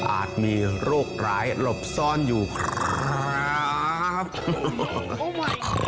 มีโรคร้ายหลบซ่อนอยู่ครับ